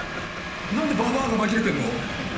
何でババアが紛れてんの？